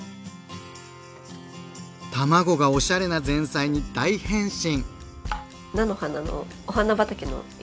卵がおしゃれな前菜に大変身！